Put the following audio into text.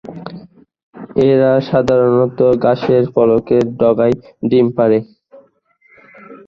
এরা সাধারনত ঘাসের ফলকের ডগায় ডিম পাড়ে।